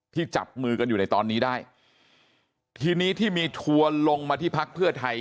จับมือกันอยู่ในตอนนี้ได้ทีนี้ที่มีทัวร์ลงมาที่พักเพื่อไทย